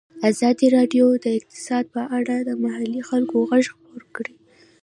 ازادي راډیو د اقتصاد په اړه د محلي خلکو غږ خپور کړی.